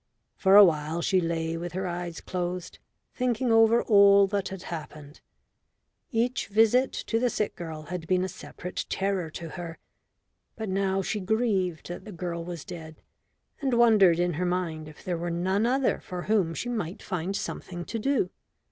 For a while she lay with her eyes closed, thinking over all that had happened. Each visit to the sick girl had been a separate terror to her, but now she grieved that the girl was dead, and wondered in her mind if there were none other for whom she might find something to do.